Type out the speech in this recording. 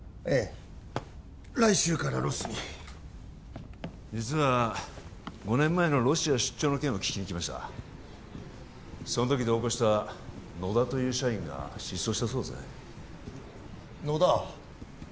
ええ来週からロスに実は５年前のロシア出張の件を聞きに来ましたその時同行した野田という社員が失踪したそうですね野田？